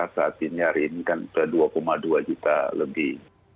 saat ini hari ini kan sudah dua dua juta lebih